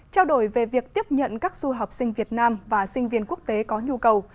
trao đổi về việc tiếp nhận các du học sinh việt nam và sinh viên quốc tế có nhu cầu